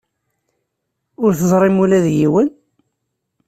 Ur teẓrim ula d yiwen?